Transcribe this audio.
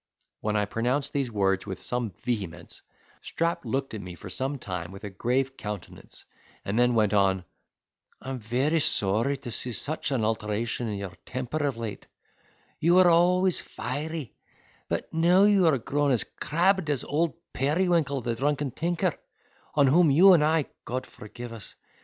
When I pronounced these words with some vehemence, Strap looked at me for same time with a grave countenance, and then went on: "I'm very sorry to see such an alteration in your temper of late; you were always fiery, but now you are grown as crabbed as old Periwinkle the drunken tinker, on whom you and I (God forgive us!)